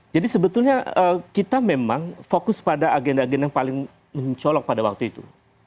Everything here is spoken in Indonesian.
jadi sebetulnya kita memang fokus pada agenda agenda yang paling mencolok pada waktu itu